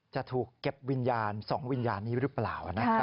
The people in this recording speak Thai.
จะถูกเก็บวิญญาณ๒วิญญาณนี้หรือเปล่านะครับ